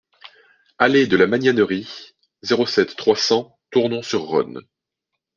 Allée de la Magnanerie, zéro sept, trois cents Tournon-sur-Rhône